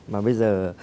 mà bây giờ